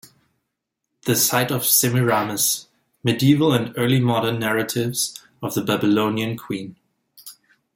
The Sight of Semiramis: Medieval and Early Modern Narratives of the Babylonian Queen.